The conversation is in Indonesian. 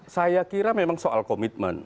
saya kira memang soal komitmen